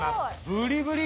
ブリブリ！